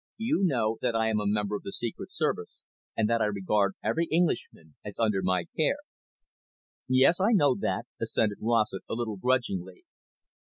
You know that I am a member of the Secret Service, and that I regard every Englishman as under my care." "Yes, I know that," assented Rossett a little grudgingly.